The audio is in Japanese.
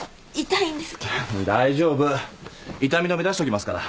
痛み止め出しておきますから。